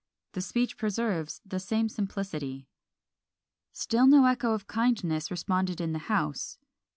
The speech preserves the same simplicity. Still no echo of kindness responded in the house.